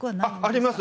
あります。